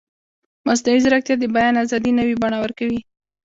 مصنوعي ځیرکتیا د بیان ازادي نوې بڼه ورکوي.